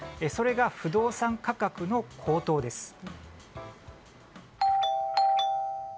それが不動産価格の高騰です。